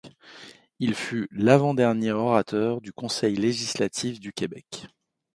Il fut l'avant-dernier orateur du Conseil législatif du Québec.